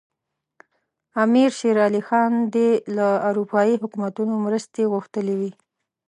امیر شېر علي خان دې له اروپایي حکومتونو مرستې غوښتلي وي.